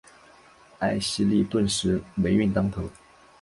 艾希莉顿时霉运当头。